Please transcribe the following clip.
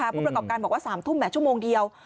ผู้ประกอบการบอกว่า๓ทุ่มชั่วโมงเดียว